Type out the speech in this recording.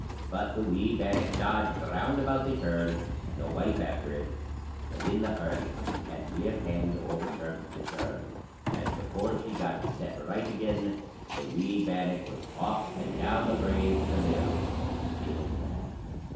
But the wee bannock dodged round about the churn, and the wife after it, and in the hurry she had near hand overturned the churn. And before she got it set right again, the wee bannock was off and down the brae to the mill; and in it ran.